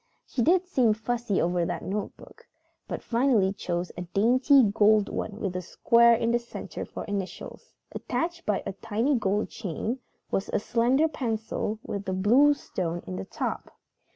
She did seem fussy over that notebook, but finally chose a dainty gold one with a square in the center for initials. Attached by a tiny gold chain was a slender pencil with a blue stone in the top.